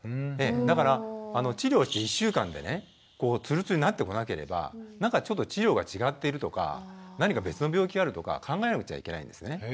だから治療して１週間でねツルツルになってこなければなんかちょっと治療が違っているとか何か別の病気があるとか考えなくちゃいけないんですね。